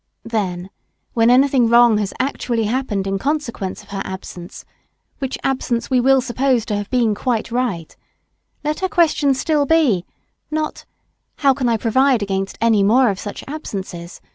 Then, when anything wrong has actually happened in consequence of her absence, which absence we will suppose to have been quite right, let her question still be (not, how can I provide against any more of such absences?